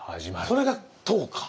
それが唐か。